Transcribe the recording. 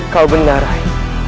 kau benar rai